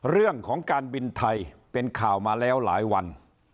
เรื่องของการบินไทยเป็นข่าวมาแล้วหลายวัน